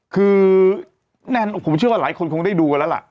คือผมเชื่อว่าหลายคนคงได้ดูกันแล้วล่ะ